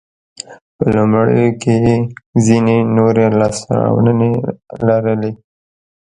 په لومړیو کې یې ځیني نورې لاسته راوړنې لرلې.